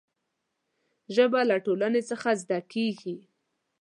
ژبه له ټولنې څخه زده کېږي.